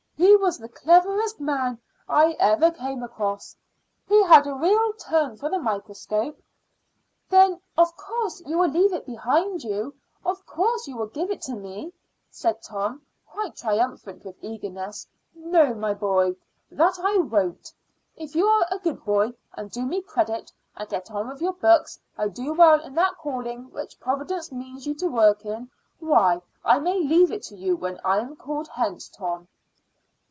"He was the cleverest man I ever came across. He had a real turn for the microscope." "Then, of course, you will leave it behind you; of course you will give it to me," said Tom, quite triumphant with eagerness. "No, my boy, that I won't. If you are a good boy, and do me credit, and get on with your books, and do well in that calling which Providence means you to work in, why, I may leave it to you when I am called hence, Tom."